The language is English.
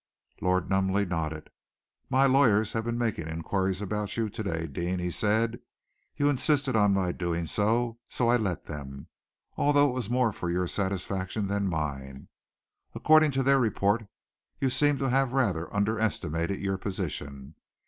Lord Nunneley nodded. "My lawyers have been making inquiries about you to day, Deane," he said. "You insisted on my doing so, so I let them, although it was more for your satisfaction than mine. According to their report, you seem to have rather underestimated your position.